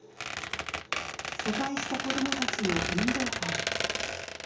疎開した子どもたちの運動会。